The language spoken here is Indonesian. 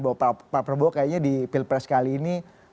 bahwa pak prabowo kayaknya di pilpres kali ini